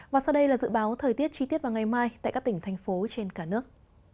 và sau đây là dự báo thời tiết chi tiết vào ngày mai tại các tỉnh thành phố trên cả nước